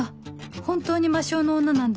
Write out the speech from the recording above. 本当に魔性の女なんだ